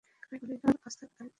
আমি বললাম, আজ থাক, আরেক দিন শুনব।